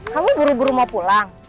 kamu buru buru mau pulang